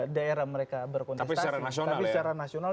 daerah mereka berkontestasi tapi secara nasional